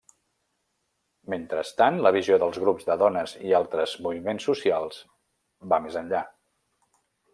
Mentrestant, la visió dels grups de dones i altres moviments socials va més enllà.